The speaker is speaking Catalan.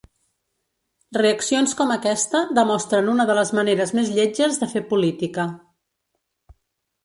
Reaccions com aquesta demostren una de les maneres més lletges de fer política.